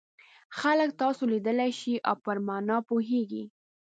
خلک تاسو لیدلای شي او پر مانا یې پوهیږي.